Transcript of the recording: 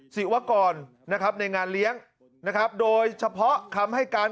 สิธิฮวกรนะครับในงานเลี้ยงด้วยเฉพาะค้ำให้การ